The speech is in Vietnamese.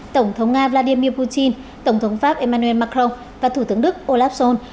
tổng thống nga vladimir putin tổng thống pháp emmanuel macron và thủ tướng đức olaf schol